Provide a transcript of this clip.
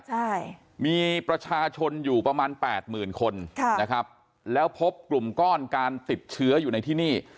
ใช่มีประชาชนอยู่ประมาณแปดหมื่นคนค่ะนะครับแล้วพบกลุ่มก้อนการติดเชื้ออยู่ในที่นี่